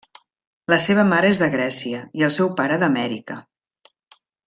La seva mare és de Grècia i el seu pare d'Amèrica.